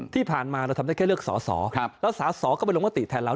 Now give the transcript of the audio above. ที่ผ่านมาเราทำได้แค่เลือกสอสอแล้วสอสอก็ไปลงมติแทนเรา